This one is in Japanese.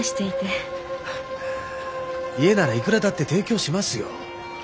あ家ならいくらだって提供しますよ。